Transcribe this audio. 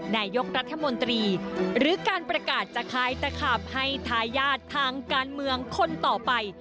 นายกรัฐมนตรีหรือการประกาศจะคล้ายตะขาบให้ทายาททางการเมืองคนต่อไป